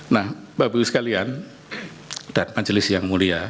nah bapak ibu sekalian dan majelis yang mulia